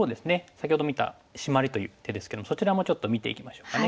先ほど見たシマリという手ですけどもそちらもちょっと見ていきましょうかね。